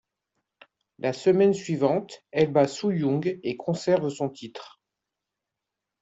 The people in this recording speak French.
La semaine suivante, elle bat Su Yung et conserve son titre.